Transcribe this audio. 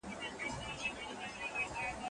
مسافر پر لاري ځکه د ارمان سلګی وهمه